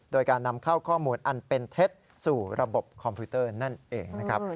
โดยการนำเข้าข้อมูลอันเป็นเท็จสู่ระบบคอมพิวเตอร์นั่นเองนะครับ